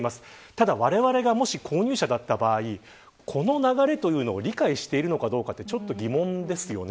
ただ、われわれがもし購入者だった場合この流れを理解しているかどうかちょっと疑問ですよね。